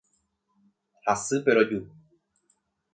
Hasýpe roju.